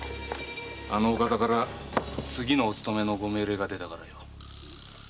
あのお方から次のお勤めのご命令が出たからよ。